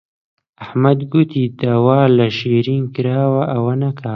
ئەحمەد گوتی داوا لە شیرین کراوە ئەوە نەکات.